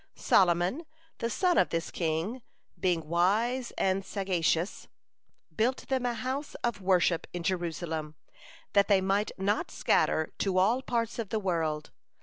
Solomon, the son of this king, being wise and sagacious, built them a house of worship in Jerusalem, that they might not scatter to all parts of the world.